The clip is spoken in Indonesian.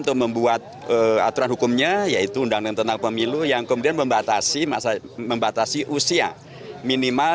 untuk membuat aturan hukumnya yaitu undang undang tentang pemilu yang kemudian membatasi usia minimal